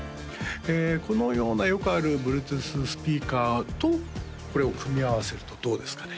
このようなよくあるＢｌｕｅｔｏｏｔｈスピーカーとこれを組み合わせるとどうですかね？